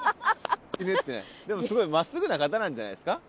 でもすごいまっすぐな方なんじゃないですか？